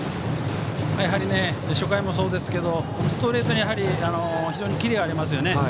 初回もそうですけどストレートに非常にキレがあります。